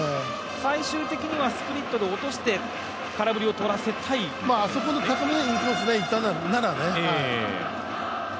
最終的にはスプリットで落として、空振りをとらせたいあそこの高めでいったなら、ですね。